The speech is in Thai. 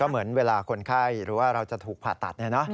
เหมือนเวลาคนไข้หรือว่าเราจะถูกผ่าตัด